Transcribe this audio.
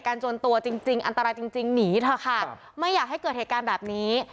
จนตัวจริงจริงอันตรายจริงจริงหนีเถอะค่ะไม่อยากให้เกิดเหตุการณ์แบบนี้